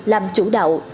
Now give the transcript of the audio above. làm chủ đạo